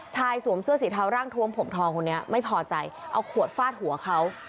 สวมเสื้อสีเทาร่างทวมผมทองคนนี้ไม่พอใจเอาขวดฟาดหัวเขา